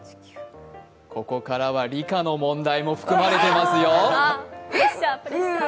ここからは理科の問題も含まれてますよ。